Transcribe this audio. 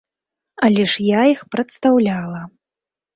Але ж я іх прадстаўляла.